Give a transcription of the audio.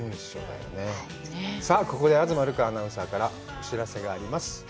さあ、ここで東留伽アナウンサーからお知らせがあります。